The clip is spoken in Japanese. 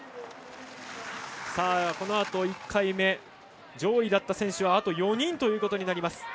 このあと１回目上位だった選手はあと４人ということになります。